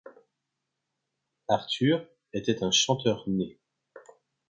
Arthur, était un chanteur-né.